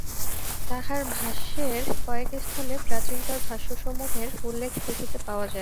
তাঁহার ভাষ্যের কয়েক স্থলে প্রাচীনতর ভাষ্যসমূহের উল্লেখ দেখিতে পাওয়া যায়।